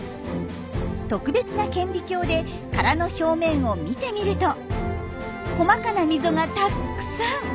特別な顕微鏡で殻の表面を見てみると細かな溝がたくさん。